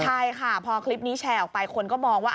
ใช่ค่ะพอคลิปนี้แชร์ออกไปคนก็มองว่า